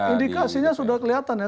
indikasinya sudah kelihatan ya